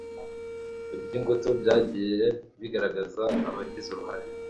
by'ingutu byagiye bigaragara. abagize uruhare